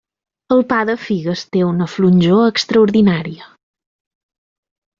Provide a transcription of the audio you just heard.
El pa de figues té una flonjor extraordinària.